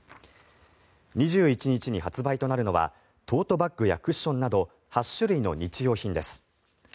２１日に発売となるのはトートバッグやクッションなど８種類の日用品です。